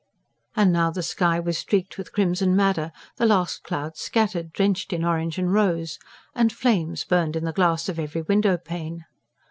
And now the sky was streaked with crimson madder; the last clouds scattered, drenched in orange and rose, and flames burned in the glass of every window pane.